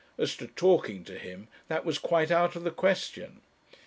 As to talking to him, that was quite out of the question.